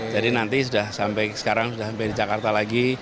jadi nanti sudah sampai sekarang sudah sampai di jakarta lagi